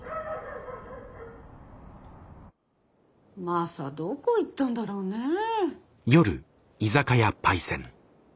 マサどこ行ったんだろうねえ。